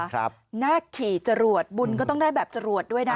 นาคขี่จรวดบุญก็ต้องได้แบบจรวดด้วยนะ